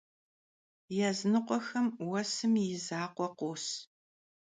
Yazınıkhuexem vuesım yi zakhue khos.